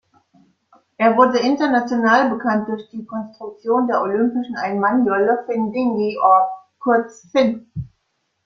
Er wurde International bekannt durch die Konstruktion der olympischen Einmann-Jolle Finn-Dinghy oder kurz „Finn“.